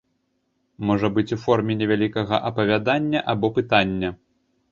Можа быць у форме невялікага апавядання або пытання.